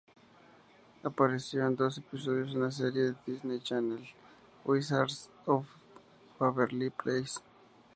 Apareció en dos episodios de la serie de Disney Channel "Wizards of Waverly Place".